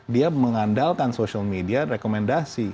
dia mengandalkan social media rekomendasi